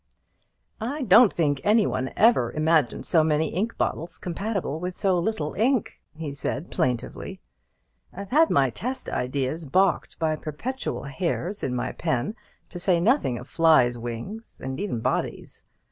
"I don't think any one ever imagined so many ink bottles compatible with so little ink," he said, plaintively. "I've had my test ideas baulked by perpetual hairs in my pen, to say nothing of flies' wings, and even bodies.